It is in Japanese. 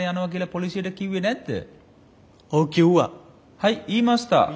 はい言いました。